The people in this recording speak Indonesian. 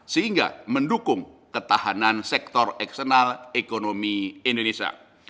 sehingga mendukung ketahanan sektor eksternal ekonomi indonesia